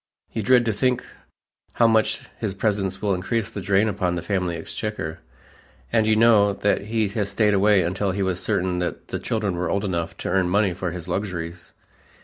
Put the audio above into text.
You dread to think how much his presence will increase the drain upon the family exchequer, and you know that he stayed away until he was certain that the children were old enough to earn money for his luxuries.